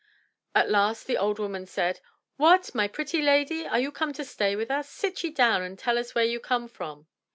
At last the old woman said, — "What! my pretty lady, are you come to stay with us? Sit ye down and tell us where you come from."